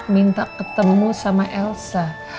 minta ketemu sama elsa